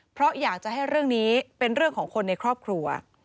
เพราะอยากจะให้เรื่องนี้เป็นเรื่องของคนในครอบครัว